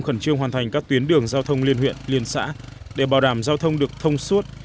khẩn trương hoàn thành các tuyến đường giao thông liên huyện liên xã để bảo đảm giao thông được thông suốt